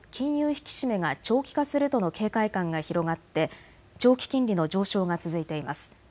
引き締めが長期化するとの警戒感が広がって長期金利の上昇が続いています。